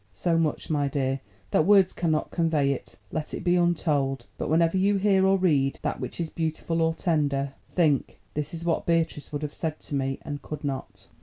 So much, my dear, that words cannot convey it. Let it be untold; but whenever you hear or read that which is beautiful or tender, think 'this is what Beatrice would have said to me and could not!